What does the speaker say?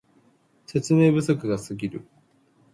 説明不足がすぎる